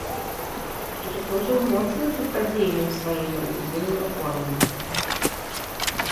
Сутыкнуўся з моцным супрацьдзеяннем сваім рэлігійным рэформам.